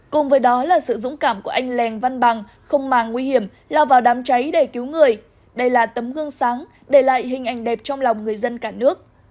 cùng với đó là sự dũng cảm của anh lèng văn bằng không màng nguy hiểm lao vào đám cháy để cứu người đây là tấm gương sáng để lại hình ảnh đẹp trong lòng người dân cả nước